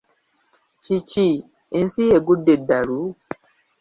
Kiki, ensi y’egudde eddalu?